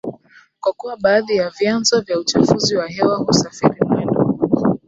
Kwa kuwa baadhi ya vyanzo vya uchafuzi wa hewa husafiri mwendo